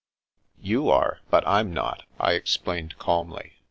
" You are, but I'm not," I explained calmly.